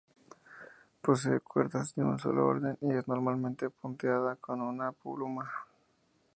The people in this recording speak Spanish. Posee cuerdas de un solo orden y es normalmente punteada con una pluma.